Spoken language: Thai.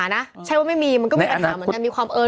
อ่ะลูกไม่อยากกัน